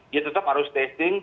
dia tetap harus testing